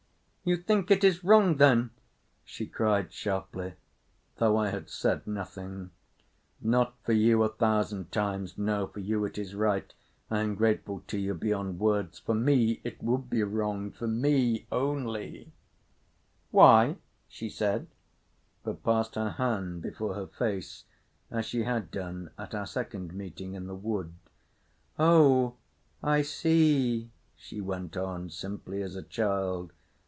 "You think it is wrong, then?" she cried sharply, though I had said nothing. "Not for you. A thousand times no. For you it is right…. I am grateful to you beyond words. For me it would be wrong. For me only…." "Why?" she said, but passed her hand before her face as she had done at our second meeting in the wood. "Oh, I see," she went on simply as a child.